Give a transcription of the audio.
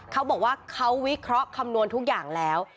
เขาบอกว่าเขาวิเคราะห์คำนวณทุกอย่างแล้ว